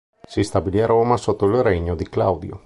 Si stabilì a Roma sotto il regno di Claudio.